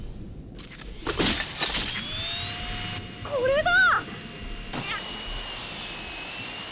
これだ！